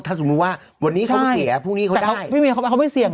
ถ้าสมมุติว่าวันนี้เขาเสียพรุ่งนี้เขาได้ไม่มีเขาไปเขาไม่เสี่ยง